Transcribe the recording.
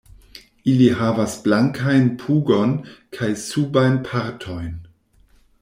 Ili havas blankajn pugon kaj subajn partojn.